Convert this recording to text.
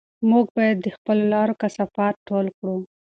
موږ باید د خپلو لارو کثافات ټول کړو.